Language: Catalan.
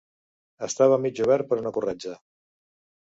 Estava mig obert per una corretja.